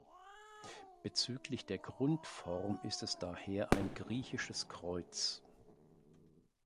Bezüglich der Grundform ist es daher ein griechisches Kreuz.